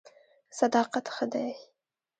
صداقت ښه دی.